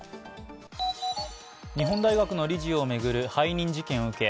日本大学の理事を巡る背任事件を受け